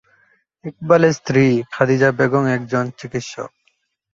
ইকবালের স্ত্রী খাদিজা বেগম একজন চিকিৎসক।